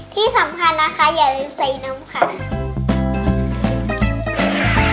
ที่สำคัญนะคะอย่าลืมใส่นมค่ะ